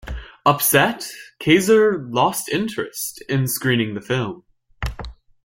Upset, Kayzer lost interest in screening the film.